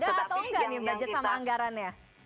ada atau nggak nih budget sama anggarannya